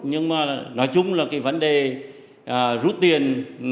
nhưng mà nói chung là cái vấn đề rút tiền